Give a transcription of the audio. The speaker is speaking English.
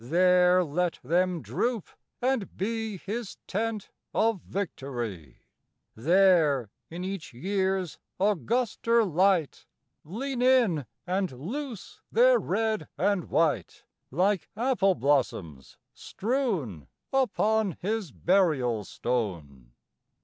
There let them droop, and be His tent of victory; There, in each year's auguster light, Lean in, and loose their red and white, Like apple blossoms strewn Upon his burial stone.